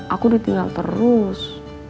aku udah tinggal terus